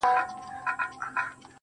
په دې پردي وطن كي~